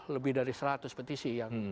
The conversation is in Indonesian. lebih dari seratus petisi yang